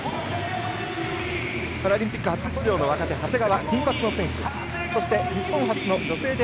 パラリンピック初出場の若手、長谷川。